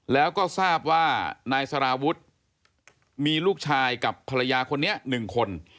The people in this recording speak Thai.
แล้วก็ทราบว่านายสารวุฒิมีลูกชายกับภรรยาคนนี้๑คน